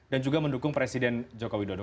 dan juga mendukung presiden jokowi dodo